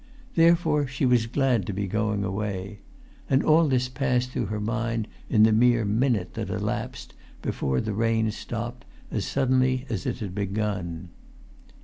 Therefore she was glad to be going away. And all this passed through her mind in the mere minute that elapsed before the rain stopped as suddenly as it had begun.